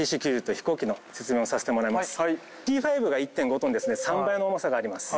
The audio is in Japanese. Ｔ−５が１．５ｔですんで３倍の重さがあります。